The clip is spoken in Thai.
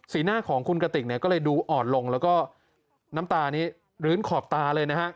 หน้าของคุณกติกเนี่ยก็เลยดูอ่อนลงแล้วก็น้ำตานี้รื้นขอบตาเลยนะฮะ